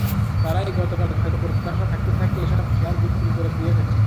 তাঁরাই গতকাল হয়তো প্রত্যাশা থাকতে থাকতে এসব শেয়ার বিক্রি করে দিয়েছেন।